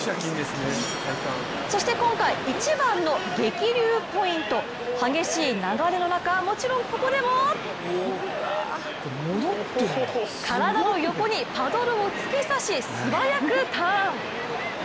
そして今回一番の激流ポイント激しい流れの中、もちろんここでも体の横にパドルを突き刺し素早くターン。